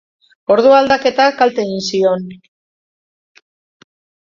Ordu aldaketak kalte egin zion.